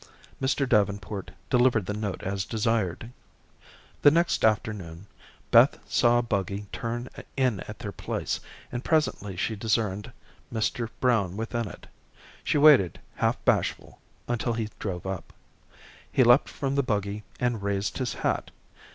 Mr. Davenport delivered the note as desired. The next afternoon, Beth saw a buggy turn in at their place, and presently she discerned Mr. Brown within it. She waited, half bashful, until he drove up. He leaped from the buggy and raised his hat.